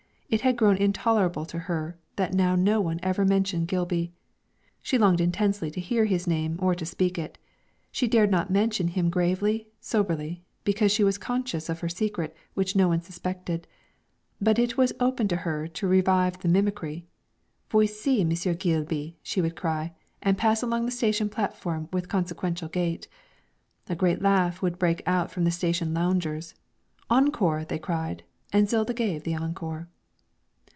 It had grown intolerable to her that now no one ever mentioned Gilby; she longed intensely to hear his name or to speak it. She dared not mention him gravely, soberly, because she was conscious of her secret which no one suspected. But it was open to her to revive the mimicry. 'Voici Monsieur Geelby,' she would cry, and pass along the station platform with consequential gait. A great laugh would break from the station loungers. 'Encore,' they cried, and Zilda gave the encore.